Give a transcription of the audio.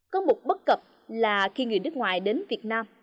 có một bất cập là khi người nước ngoài đến việt nam